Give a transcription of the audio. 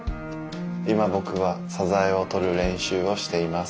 今ぼくはサザエをとるれん習をしています。